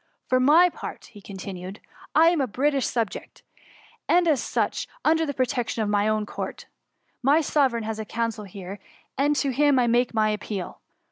—" For my part," continued he, I am a British subject, an^ as such, tinder the protection of my own Court ; my Soverdgn has a consul here, and to him I make my appeal.